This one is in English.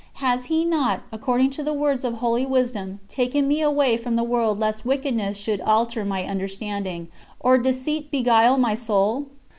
Has He not, according to the words of Holy Wisdom, "taken me away from the world lest wickedness should alter my understanding, or deceit beguile my soul?"